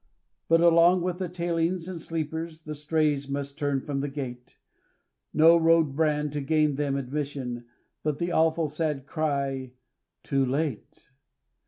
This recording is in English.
But, along with the tailings and sleepers, The strays must turn from the gate; No road brand to gain them admission, But the awful sad cry "too late."